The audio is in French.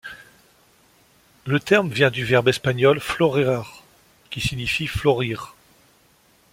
Le terme vient du verbe espagnol florear qui signifie fleurir.